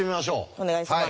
お願いします。